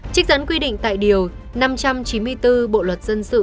trích dẫn quy định tại điều năm trăm chín mươi bốn bộ luật dân sự